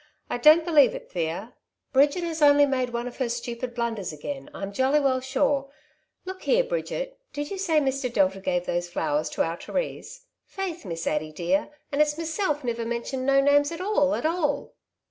'' I don't believe it, Thea. Bridget has only made one of her stupid blunders again, I'*m jolly well sure. Look here, Bridget, did you say Mr. Delta gave those flowers to our Therise ?" ''Faith, Miss Addy dear, and it's meself niver mentioned no names at all at all."